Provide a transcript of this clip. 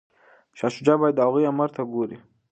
شاه شجاع باید د هغوی امر ته ګوري.